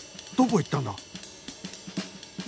どこ行ったんだ？